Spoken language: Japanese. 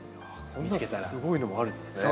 こんなすごいのもあるんですね。